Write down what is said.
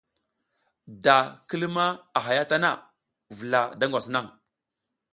Da ki luma a hay a tana, vula da ngwas naƞ.